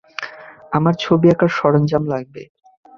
আমার ছবি আঁকার সরঞ্জাম লাগবে।